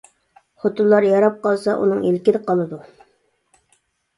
خوتۇنلار ياراپ قالسا ئۇنىڭ ئىلكىدە قالىدۇ.